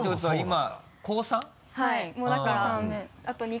はい。